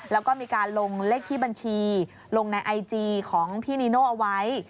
แล้วก็มีการลงเลขที่บัญชีลงในไอจีของพี่นีโน่เอาไว้